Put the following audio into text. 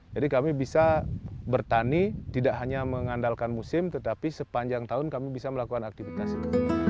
jadi kami bisa bertani tidak hanya mengandalkan musim tetapi sepanjang tahun kami bisa melakukan aktivitas itu